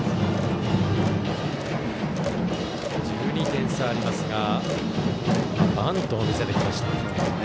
１２点差ありますがバントを見せてきました。